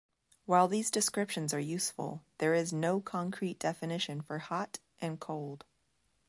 While these descriptions are useful, there is no concrete definition for "hot" and "cold".